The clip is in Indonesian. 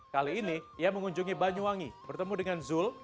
kali ini ia mengunjungi banyuwangi bertemu dengan zul